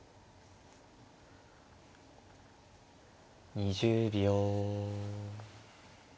２０秒。